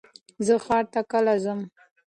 زه ښار ته کله ځم؟